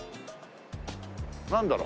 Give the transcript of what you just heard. なんだろう？